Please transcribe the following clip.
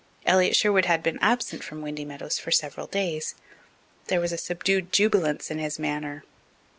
Elliott Sherwood had been absent from Windy Meadows for several days. There was a subdued jubilance in his manner.